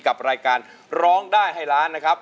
กับรายการร้องได้ให้ล้านนะครับ